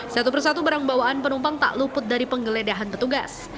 satu persatu barang bawaan penumpang tak luput dari penggeledahan petugas